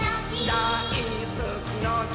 だいすきの木。